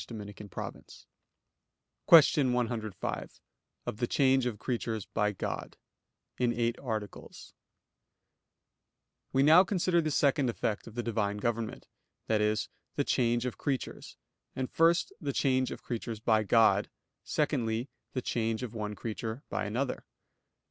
_______________________ QUESTION 105 OF THE CHANGE OF CREATURES BY GOD (In Eight Articles) We now consider the second effect of the Divine government, i.e. the change of creatures; and first, the change of creatures by God; secondly, the change of one creature by another.